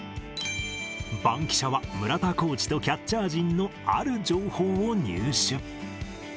バンキシャは村田コーチとキャッチャー陣の、ある情報を入手。